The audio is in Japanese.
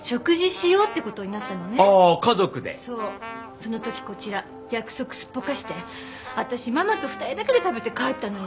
その時こちら約束すっぽかして私ママと２人だけで食べて帰ったのよ。